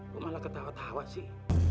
kok malah ketawa tawa sih